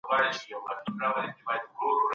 سفیران د بیان ازادۍ لپاره څه کوي؟